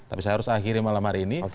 tapi saya harus akhiri malam hari ini